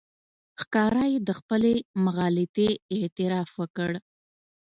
ښکاره یې د خپلې مغالطې اعتراف وکړ.